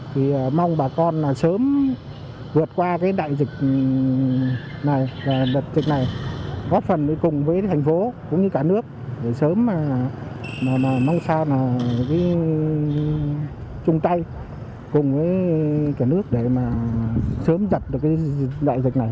thì mong bà con sớm vượt qua cái đại dịch này